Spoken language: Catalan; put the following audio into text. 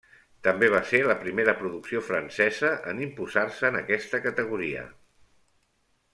També va ser la primera producció francesa en imposar-se en aquesta categoria.